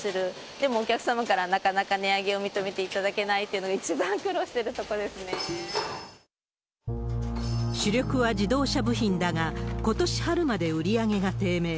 でも、お客様からなかなか値上げを認めていただけないというのが主力は自動車部品だが、ことし春まで売り上げが低迷。